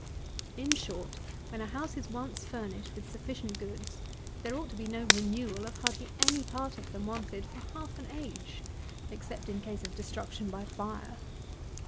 In short, when a house is once furnished with sufficient goods, there ought to be no renewal of hardly any part of them wanted for half an age, except in case of destruction by fire.